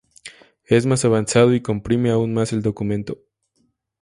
Es más avanzado y comprime aún más el documento.